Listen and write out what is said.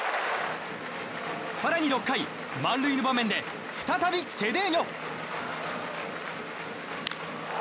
更に６回、満塁の場面で再びセデーニョ。